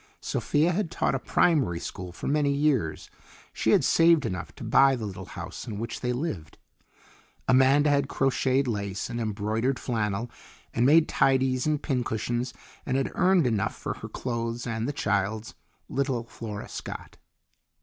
Sophia had taught a primary school for many years; she had saved enough to buy the little house in which they lived. Amanda had crocheted lace, and embroidered flannel, and made tidies and pincushions, and had earned enough for her clothes and the child's, little Flora Scott.